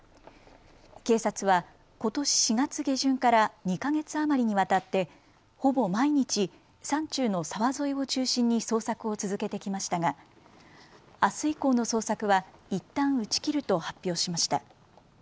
警察はことし４月下旬から２か月余りにわたってほぼ毎日山中の沢沿いを中心に捜索を続けてきましたが、あす以降の捜索はいったん打ち切ると発表しました。